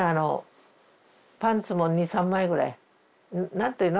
何ていうの？